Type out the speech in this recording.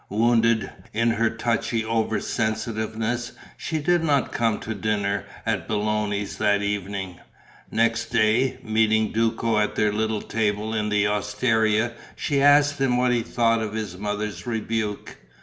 Wounded in her touchy over sensitiveness, she did not come to dinner at Belloni's that evening. Next day, meeting Duco at their little table in the osteria, she asked him what he thought of his mother's rebuke.